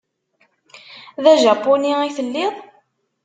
D ajapuni i telliḍ?